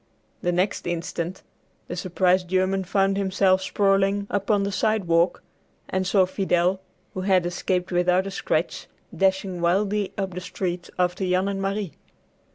The next instant the surprised German found himself sprawling upon the sidewalk, and saw Fidel, who had escaped without a scratch, dashing wildly up the street after Jan and Marie.